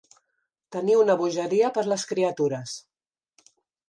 Tenir una bogeria per les criatures.